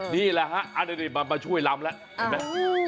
นี่แหละฮะอันนี้มาช่วยรำแล้ว